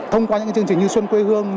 thông qua những chương trình như xuân quê hương